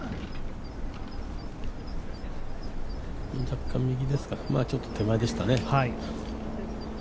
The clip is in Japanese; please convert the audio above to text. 若干右ですかちょっと手前でしたね。